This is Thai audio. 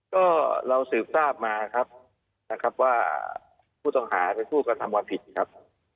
ก็เราสืบทราบมาครับนะครับว่าผู้ต้องหาเป็นผู้กระทำความผิดครับ